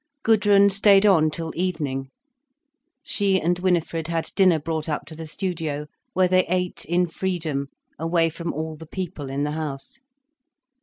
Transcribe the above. Gudrun stayed on till evening. She and Winifred had dinner brought up to the studio, where they ate in freedom, away from all the people in the house.